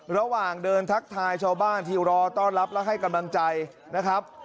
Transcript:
ระหว่างเดินทักทายชาวบ้านที่รอต้อนรับและให้กำลังใจนะครับ